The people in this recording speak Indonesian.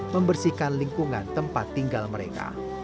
membersihkan lingkungan tempat tinggal mereka